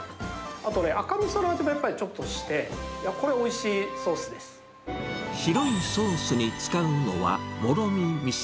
あとね、赤みその味もちょっとし白いソースに使うのは、もろみみそ。